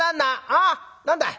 「ああ何だい？